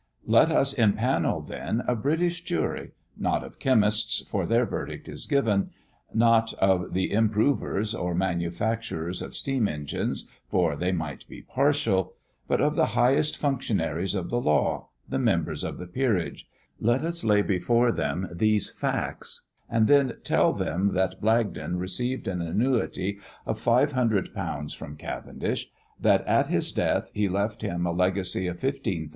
Let us impanel, then, a British jury not of chemists, for their verdict is given not of the improvers or manufacturers of steam engines, for they might be partial but of the highest functionaries of the law, the members of the peerage let us lay before them these facts, and then tell them that Blagden received an annuity of 500_l._ from Cavendish; that, at his death, he left him a legacy of 15,000_l.